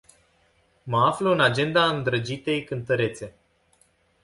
Mă aflu în agenda îndrăgitei cântărețe.